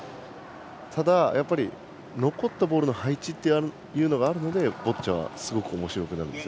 ただ、残ったボールの配置というのがあるのでボッチャはすごくおもしろくなるんです。